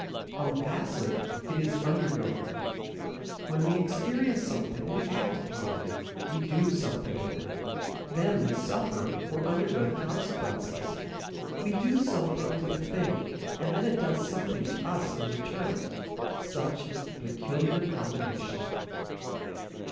On the passive, it is undergoing. When we experience something we act upon it, we do something with it; then we suffer or undergo the consequences. We do something to the thing and then it does something to us in return: such is the peculiar combination.